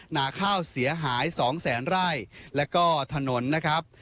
นาข้าวเสียหาย๒แสนไร่แล้วก็ถนนนะครับ